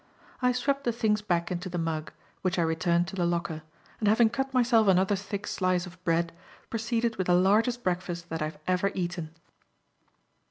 I swept the things back into the mug, which I returned to the locker, and having cut myself another thick slice of bread, proceeded with the largest breakfast that I have ever eaten.